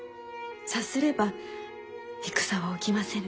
さすれば戦は起きませぬ。